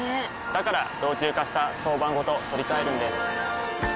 から老朽化した床版ごと取り替えるんです。